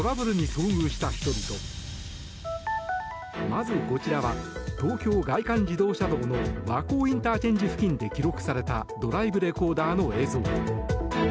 まず、こちらは東京外環自動車道の和光ＩＣ付近で記録されたドライブレコーダーの映像。